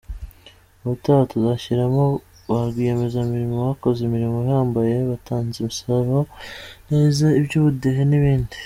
Ubutaha tuzashyiramo ba rwiyemezamirimo bakoze imirimo ihambaye, abatanze imisoro neza, iby’ubudehe n’ibindi.